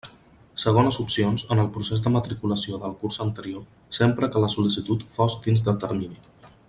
Segones opcions, en el procés de matriculació del curs anterior, sempre que la sol·licitud fos dins de termini.